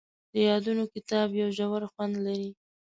د یادونو کتاب یو ژور خوند لري.